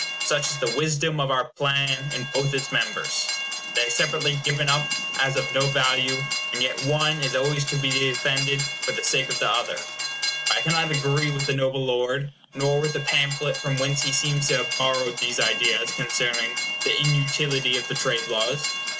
Such is the wisdom of our plan in both its members. They are separately given up as of no value, and yet one is always to be defended for the sake of the other; but I cannot agree with the noble lord, nor with the pamphlet from whence he seems to have borrowed these ideas concerning the inutility of the trade laws.